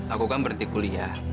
aku kan berhenti kuliah